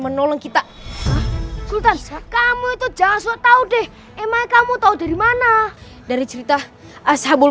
menolong kita kamu itu jangan so tau deh emang kamu tahu dari mana dari cerita sabul